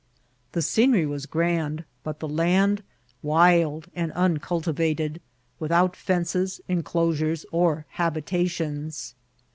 The scenery was grand, but the land wild and unculti vated, without fences, enclosures, or habitations.